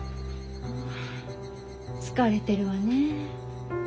ん疲れてるわね。